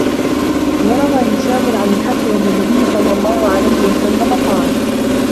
وَرَوَى هِشَامٌ عَنْ الْحَسَنِ أَنَّ النَّبِيَّ صَلَّى اللَّهُ عَلَيْهِ وَسَلَّمَ قَالَ